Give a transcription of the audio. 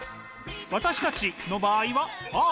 私たちの場合はａｒｅ。